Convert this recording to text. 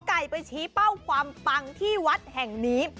ไก่ไปชี้เป้าความปังที่วัดแห่งนี้